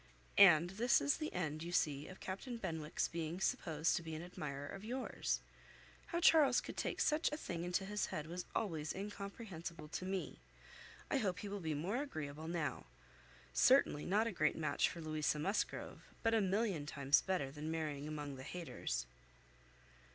And this is the end, you see, of Captain Benwick's being supposed to be an admirer of yours. How Charles could take such a thing into his head was always incomprehensible to me. I hope he will be more agreeable now. Certainly not a great match for Louisa Musgrove, but a million times better than marrying among the Hayters."